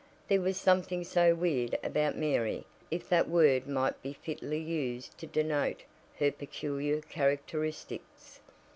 There was something so weird about Mary if that word might be fitly used to denote her peculiar characteristics.